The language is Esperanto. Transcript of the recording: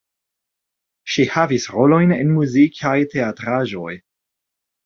Ŝi havis rolojn en muzikaj teatraĵoj.